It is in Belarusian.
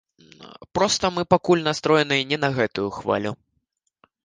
Проста мы пакуль настроеныя не на гэтую хвалю.